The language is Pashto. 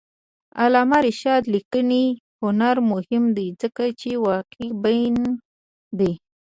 د علامه رشاد لیکنی هنر مهم دی ځکه چې واقعبین دی.